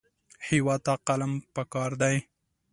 هېواد ته قلم پکار دی